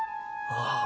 ああ。